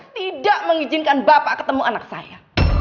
tidak mengizinkan bapak ketemu anak saya